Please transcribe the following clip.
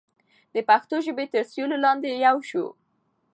د پښتو ژبې تر سیوري لاندې یو شو.